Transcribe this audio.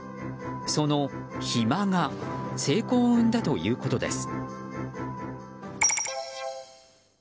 その暇が成功を生んだということです。